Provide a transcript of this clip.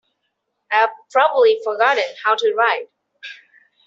I've probably forgotten how to ride.